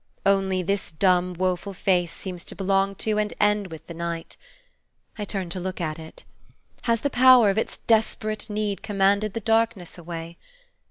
Only this dumb, woful face seems to belong to and end with the night. I turn to look at it. Has the power of its desperate need commanded the darkness away?